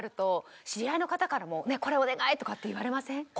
知り合いの方からも「これお願い」とかって言われません？